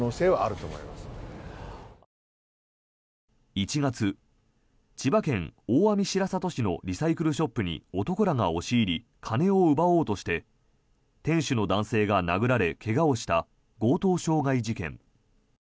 １月、千葉県大網白里市のリサイクルショップに男らが押し入り金を奪おうとして店主の男性が殴られ、怪我をした強盗傷害事件。